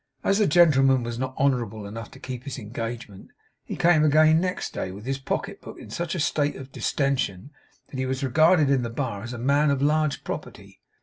As the gentleman was not honourable enough to keep his engagement, he came again next day, with his pocket book in such a state of distention that he was regarded in the bar as a man of large property.